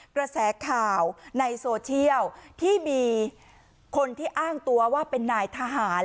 กระแสข่าวในโซเชียลที่มีคนที่อ้างตัวว่าเป็นนายทหาร